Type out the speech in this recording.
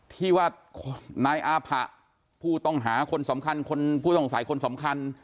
ที่ว่านายอาผะผู้ต้องหาคนสำคัญคนผู้ต้องสัยคนสำคัญ